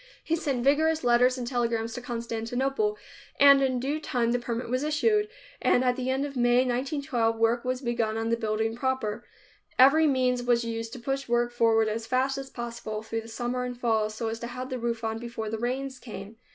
He sent vigorous letters and telegrams to Constantinople and in due time the permit was issued, and at the end of May 1912, work was begun on the building proper. Every means was used to push work forward as fast as possible, through the summer and fall, so as to have the roof on before the rains came.